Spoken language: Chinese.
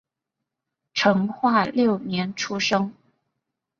成化六年出生。